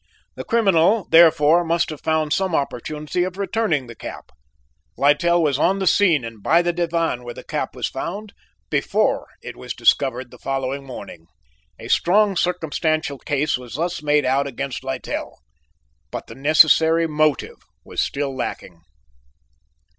The criminal therefore must have found some opportunity of returning the cap. Littell was on the scene and by the divan where the cap was found before it was discovered the following morning. "A strong circumstantial case was thus made out against Littell, but the necessary motive was still lacking.